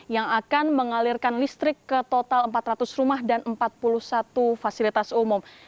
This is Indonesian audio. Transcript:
yang akan mengalirkan listrik ke total empat ratus rumah dan empat puluh satu fasilitas umum